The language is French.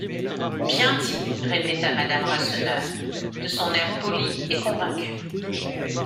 Bien dit! répéta madame Rasseneur, de son air poli et convaincu.